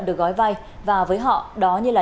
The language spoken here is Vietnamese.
được gói vay và với họ đó như là